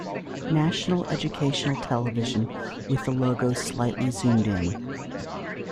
National Educational Television with the logo slightly zoomed in.